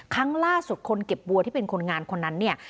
ครั้งล่าสุดคนเก็บวัวที่เป็นคนงานคนนั้นเนี่ย